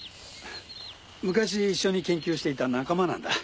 昔一緒に研究していた仲間なんだ。